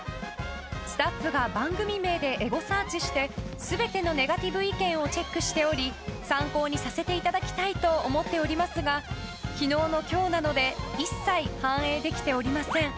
スタッフが番組名でエゴサーチして全てのネガティブ意見をチェックしており参考にさせていただきたいと思っておりますが昨日の今日なので一切反映できておりません。